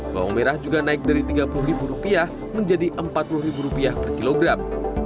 bawang merah juga naik dari rp tiga puluh menjadi rp empat puluh per kilogram